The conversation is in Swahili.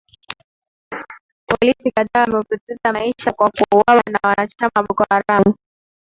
polisi kadhaa wamepoteza maisha kwa kuwawa na wanachama wa bokharam